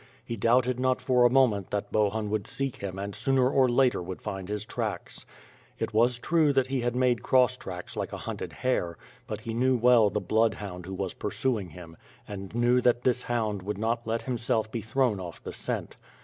He doubted not for a moment that Bohun would seek him and sooner or later would find his tracks. It was true that he had made cross tracks like a hunted hare; but he knew well the bloodhound who was pursuing him, and knew that this hound would not let himself be thrown off the scent.